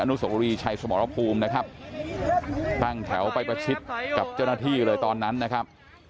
นุสวรีชัยสมรภูมินะครับตั้งแถวไปประชิดกับเจ้าหน้าที่เลยตอนนั้นนะครับ